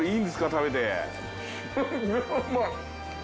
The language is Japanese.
食べて。